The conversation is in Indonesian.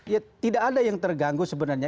ya tidak ada yang terganggu sebenarnya